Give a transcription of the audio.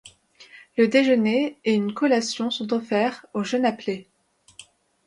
Le déjeuner et une collation sont offerts aux jeunes appelés.